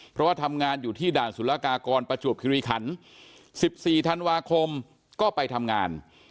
เพราะว่าทำงานอยู่ที่ด่านสุรกากรประจวบคิริขัน๑๔ธันวาคมก็ไปทำงาน